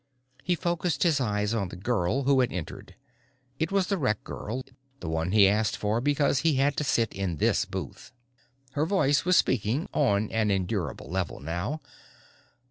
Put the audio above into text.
He focussed his eyes on the girl who had entered. It was the rec girl, the one he had asked for because he had to sit in this booth. Her voice was speaking on an endurable level now.